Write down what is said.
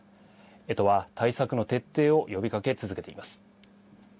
都は対策の徹底を呼びかけ続けています。